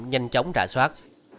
nhanh chóng ra soát